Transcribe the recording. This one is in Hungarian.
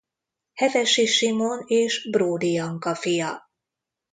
Hevesi Simon és Bródy Janka fia.